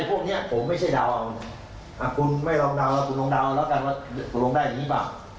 โอ้โฮแม่งเยอะนะแม่งเกณฑ์เองแน่นิดหนึ่ง